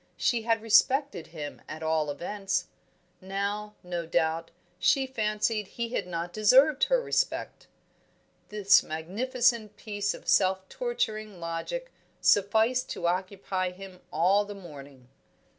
She had respected him at all events; now, no doubt she fancied he had not deserved her respect. This magnificent piece of self torturing logic sufficed to occupy him all the morning.